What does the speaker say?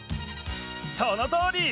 そのとおり！